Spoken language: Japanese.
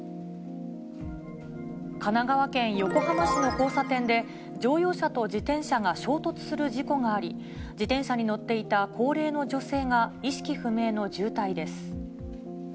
神奈川県横浜市の交差点で、乗用車と自転車が衝突する事故があり、自転車に乗っていた高齢の女性が意識不明の重体です。